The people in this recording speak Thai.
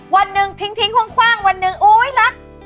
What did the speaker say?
วันหนึ่งทิ้งคว่างวันหนึ่งอุ๊ยรัก